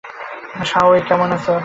শাওহেই কেমন আছে?